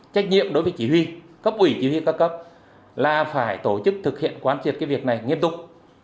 trách nhiệm đối với chỉ huy cấp ủy chỉ huy các cấp là phải tổ chức thực hiện quan triệt cái việc này nghiêm túc